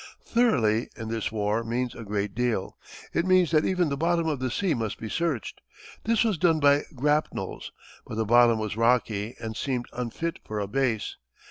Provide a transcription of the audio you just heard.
"Thoroughly" in this war means a great deal. It means that even the bottom of the sea must be searched. This was done by grapnels; but the bottom was rocky and seemed unfit for a base.